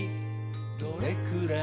「どれくらい？